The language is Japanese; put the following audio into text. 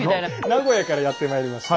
名古屋からやってまいりました